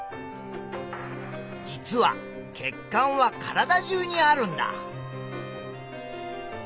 実は血管は体中にあるんだ。